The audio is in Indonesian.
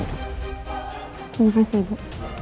terima kasih ibu